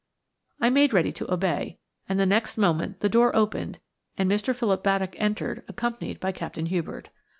I made ready to obey, and the next moment the door opened and Mr. Philip Baddock entered, accompanied by Captain Hubert.